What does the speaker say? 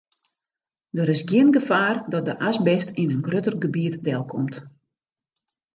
Der is gjin gefaar dat de asbest yn in grutter gebiet delkomt.